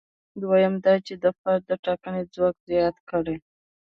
دویم دا چې د فرد د ټاکنې ځواک زیات کړي.